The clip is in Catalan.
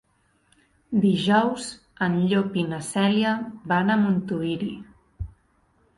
Dijous en Llop i na Cèlia van a Montuïri.